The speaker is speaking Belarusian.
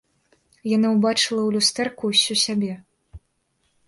Яна ўбачыла ў люстэрку ўсю сябе.